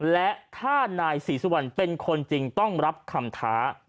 และถ้านายศรีสุวรรณเป็นคนจริงต้องรับคำท้า